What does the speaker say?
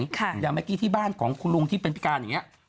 อย่างเมื่อกี้ที่บ้านของคุณลุงที่เป็นพิการอย่างนี้